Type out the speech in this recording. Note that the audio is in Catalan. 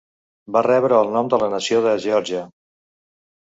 Va rebre el nom de la nació de Geòrgia.